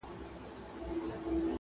تا غرڅه غوندي اوتر اوتر کتلای!.